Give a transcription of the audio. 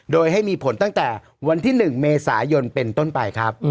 โดยให้มีผลตั้งแต่วันที่๑เมษายนเป็นต้นไปครับ